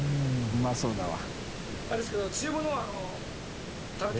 うまそうだな。